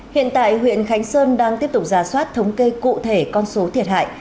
hiện tại huyện khánh sơn đang tiếp tục giả soát thống kê cụ thể con số thiệt hại